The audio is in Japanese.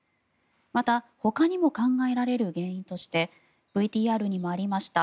また、ほかにも考えられる原因としてＶＴＲにもありました